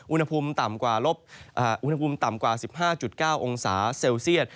อุณหภูมิต่ำกว่า๑๕๙องศาเซลเซียต